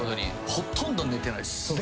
ほとんど寝てないです。